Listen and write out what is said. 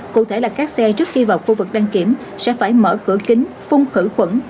cụ thể là các xe trước khi vào khu vực đăng kiểm sẽ phải mở cửa kính phung khử khuẩn